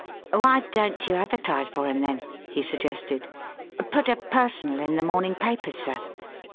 "Why don't you advertise for him, then?" he suggested. "Put a Personal in the morning papers, sir.